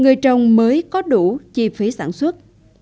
người trồng mới có đủ chi phí sản xuất